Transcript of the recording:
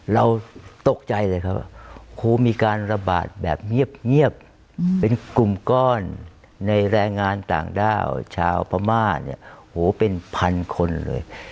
เราตกใจเลยครับครูมีการระบาดแบบเงียบเป็นกลุ่มก้อนในแรงงานต่างด้าวชาวพม่าเนี่ยโหเป็นพันคนเลย